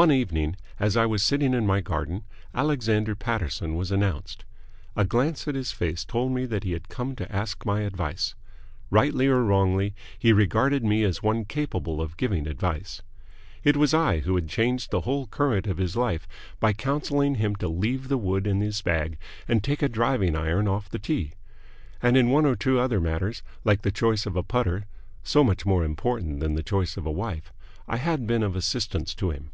One evening, as I was sitting in my garden, Alexander Paterson was announced. A glance at his face told me that he had come to ask my advice. Rightly or wrongly, he regarded me as one capable of giving advice. It was I who had changed the whole current of his life by counselling him to leave the wood in his bag and take a driving iron off the tee; and in one or two other matters, like the choice of a putter (so much more important than the choice of a wife), I had been of assistance to him.